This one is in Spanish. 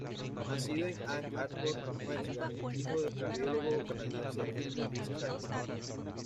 Nacido en Ann Arbor, Michigan, hijo del cardiólogo canadiense Irwin Schatz.